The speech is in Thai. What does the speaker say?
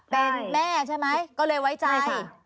เป็นแม่ใช่ไหมก็เลยไว้ใจ